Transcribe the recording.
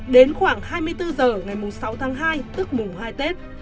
đến khoảng hai mươi bốn h ngày sáu tháng hai tức mùng hai tết